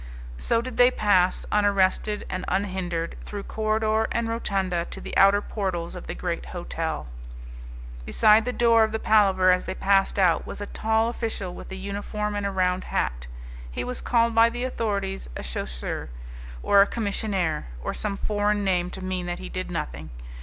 So did they pass, unarrested and unhindered, through corridor and rotunda to the outer portals of the great hotel. Beside the door of the Palaver as they passed out was a tall official with a uniform and a round hat. He was called by the authorities a chasseur or a commissionaire, or some foreign name to mean that he did nothing.